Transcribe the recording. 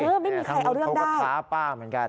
เออไม่มีใครเอาเรื่องได้เขาก็ท้าป้าเหมือนกัน